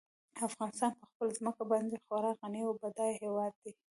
افغانستان په خپله ځمکه باندې خورا غني او بډای هېواد دی.